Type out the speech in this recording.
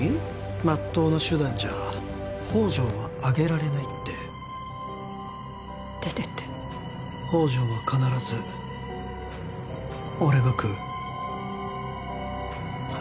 まっとうな手段じゃ宝条は挙げられないって出ていって宝条は必ず俺が喰うあっ